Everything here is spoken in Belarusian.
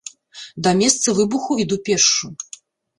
Да месца выбуху іду пешшу.